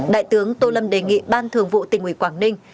đại tướng tô lâm đề nghị ban thường vụ tỉnh ủy quảng ninh